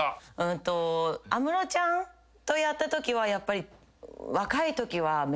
安室ちゃんとやったときはやっぱり若いときは。